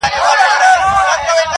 ورباندي پايمه په دوو سترگو په څو رنگه,